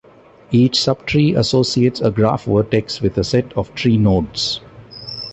Each subtree associates a graph vertex with a set of tree nodes.